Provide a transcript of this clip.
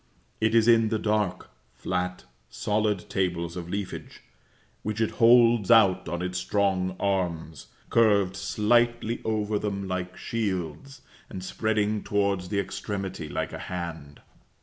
It is in the dark, flat, solid tables of leafage, which it holds out on its strong arms, curved slightly over them like shields, and spreading towards the extremity like a hand.